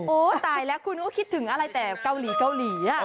โอ้ตายแล้วคุณก็คิดถึงอะไรแต่เกาหลีอ่ะ